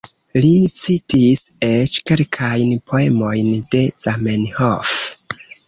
Li citis eĉ kelkajn poemojn de Zamenhof.